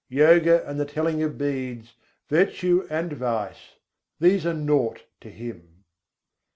Yoga and the telling of beads, virtue and vice these are naught to Him."